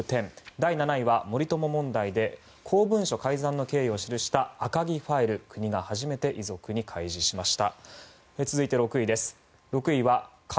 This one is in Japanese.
第７位は森友問題が公文書改ざんの経緯を記した赤木ファイル国が初めて遺族に開示しました。